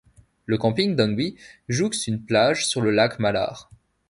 Le camping d'Ängby jouxte une plage sur le lac Mälar.